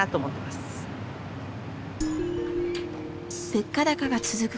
物価高が続く